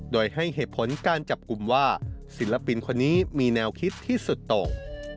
โดยให้เหตุผลการจับกลุ่มว่าศิลปินคนนี้มีแนวคิดที่สุดตก